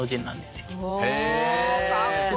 かっこいい。